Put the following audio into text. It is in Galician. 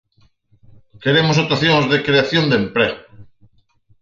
Queremos actuacións de creación de emprego.